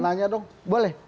nanya dong boleh